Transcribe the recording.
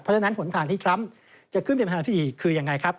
เพราะฉะนั้นหนทางที่ทรัมป์จะขึ้นเป็นประธานพิธีคือยังไงครับ